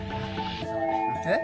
えっ？